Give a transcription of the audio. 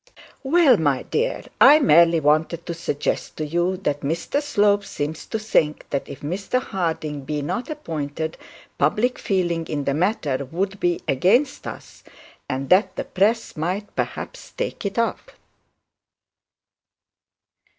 'Well, my dear, I merely wanted to suggest to you that Mr Slope seems to think that if Mr Harding be not appointed, public feeling in the matter would be against us and that the press might perhaps take it up.'